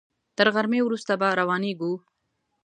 تر غرمې وروسته به روانېږو.